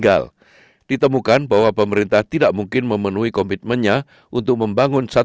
dalam perbandingan dengan beberapa kualifikasi universitas